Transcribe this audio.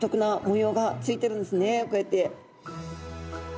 こうやって。